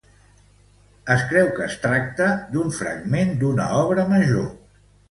Es creu que es tracta d'un fragment d'una obra major.